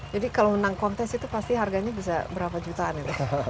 jadi kalau menang kontes itu pasti harganya bisa berapa jutaan ya